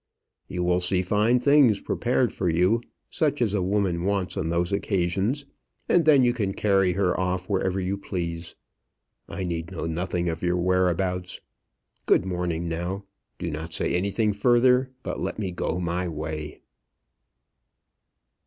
You will see fine things prepared for you, such as a woman wants on those occasions, and then you can carry her off wherever you please. I need know nothing of your whereabouts. Good morning now. Do not say anything further, but let me go my way."